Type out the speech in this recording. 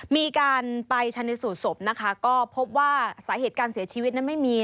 มีการไปชนสูตรศพนะคะก็พบว่าสาเหตุการเสียชีวิตนั้นไม่มี